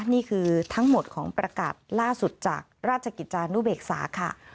นี่คือทั้งหมดของประกาศล่าสุดจากราชกิจจานุเบกษาค่ะ